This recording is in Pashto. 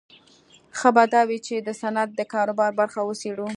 ښه به دا وي چې د صنعت د کاروبار برخه وڅېړو